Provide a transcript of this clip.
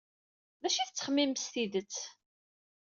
D acu ay yettxemmim s tidet?